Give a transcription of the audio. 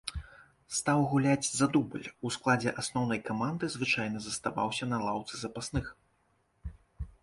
Стаў гуляць за дубль, у складзе асноўнай каманды звычайна заставаўся на лаўцы запасных.